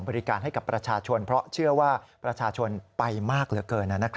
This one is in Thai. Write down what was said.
บริการให้กับประชาชนเพราะเชื่อว่าประชาชนไปมากเหลือเกิน